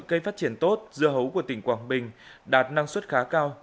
cây phát triển tốt dưa hấu của tỉnh quảng bình đạt năng suất khá cao